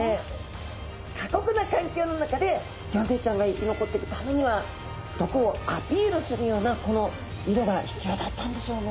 過酷な環境の中でギョンズイちゃんが生き残っていくためには毒をアピールするようなこの色が必要だったんでしょうね。